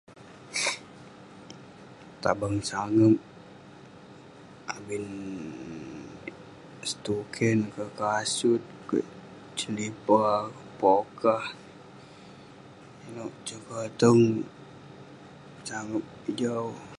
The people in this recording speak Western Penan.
Tabang sangep, abin..setuken kerk, kasut kerk, selipar..pokah, inouk.. sekoteng..sangep jau